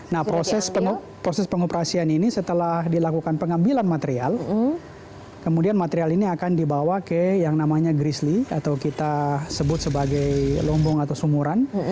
nah proses pengoperasian ini setelah dilakukan pengambilan material kemudian material ini akan dibawa ke yang namanya gris atau kita sebut sebagai lombong atau sumuran